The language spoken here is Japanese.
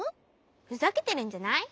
ふざけてるんじゃない？